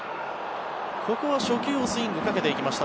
ここは初球をスイングかけていきました。